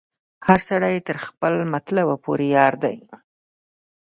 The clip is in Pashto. هر سړی خپل تر مطلبه پوري یار دی